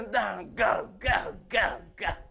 ゴーゴー。